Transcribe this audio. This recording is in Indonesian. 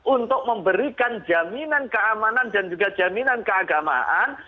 untuk memberikan jaminan keamanan dan juga jaminan keagamaan